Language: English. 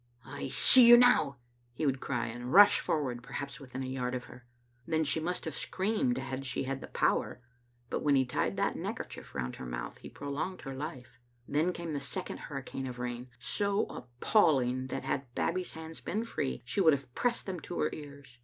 " I see you now," he would cry, and rush forward perhaps within a yard of her. Then she must have screamed had she had the power. When he tied that neckerchief round her mouth he prolonged her life. Then came the second hurricane of rain, so appalling that had Babbie's hands been free she would have pressed them to her ears.